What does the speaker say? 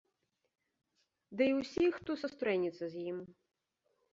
Дый усіх, хто сустрэнецца з ім.